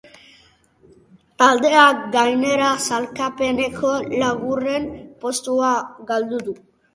Taldeak, gainera, sailkapeneko laugarren postua galdu du.